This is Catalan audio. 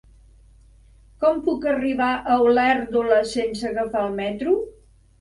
Com puc arribar a Olèrdola sense agafar el metro?